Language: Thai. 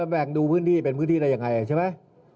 แบ่งดูพื้นที่เป็นพื้นที่อะไรยังไงใช่ไหม